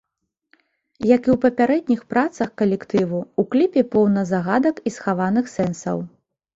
Як і ў папярэдніх працах калектыву, у кліпе поўна загадак і схаваных сэнсаў.